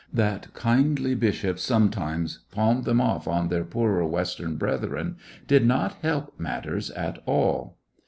That kindly bishops sometimes palmed them off on their poorer Western brethren did not help matters at all.